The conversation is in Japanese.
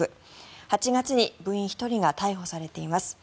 ８月に部員１人が逮捕されています。